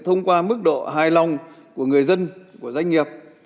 thông qua mức độ hài lòng của người dân của doanh nghiệp